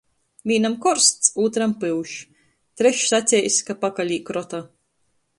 Vīnam korsts, ūtram pyuš, trešs saceis, ka pakalī krota.